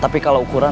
tapi kalau ukuran